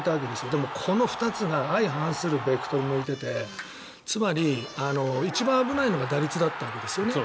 でもこの２つが相反するベクトルを向いていてつまり、一番危ないのが打率だったわけですよね。